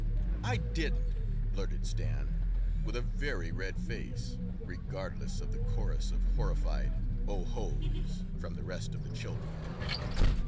"I didn't," blurted Stan, with a very red face, regardless of the chorus of horrified ohos! from the rest of the children.